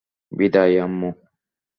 বিদায়, আম্মু!